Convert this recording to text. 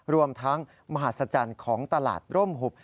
รวมทั้งมหัศจรรย์ของตลาดร่มหุบ